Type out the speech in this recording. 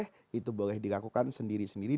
sholat taraweh itu boleh dilakukan sendiri sendiri